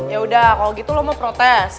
yaudah kalo gitu lo mau protes